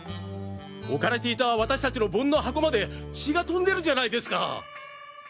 置かれていた私たちの盆の箱まで血が飛んでるじゃないですか！